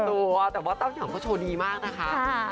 รู้ตัวแต่เต้ายองเชาดีมากนะคะ